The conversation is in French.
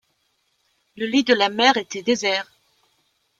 Le lit de la mer était désert.